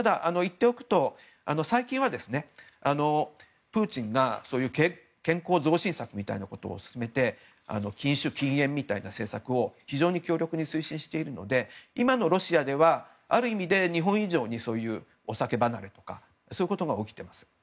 ただ、最近はプーチンが健康増進策みたいなことを進めて禁酒、禁煙みたいな政策を非常に強力に推進しているので今のロシアではある意味で日本以上にそういうお酒離れとかが起きています。